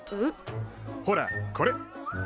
ほらこれ。